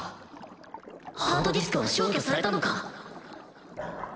ハードディスクは消去されたのか？